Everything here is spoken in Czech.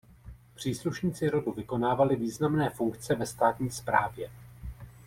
Příslušníci rodu vykonávali významné funkce ve státní správě.